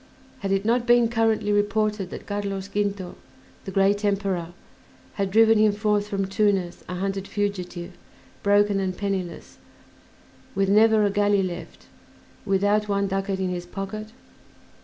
Had it not been currently reported that Carlos Quinto, the great Emperor, had driven him forth from Tunis a hunted fugitive, broken and penniless, with never a galley left, without one ducat in his pocket?